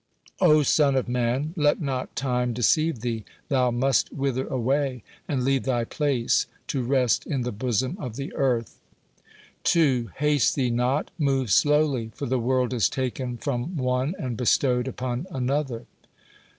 O son of man, let not time deceive thee; thou must wither away, and leave thy place, to rest in the bosom of the earth. 2. Haste thee not, move slowly, for the world is taken from one and bestowed upon another.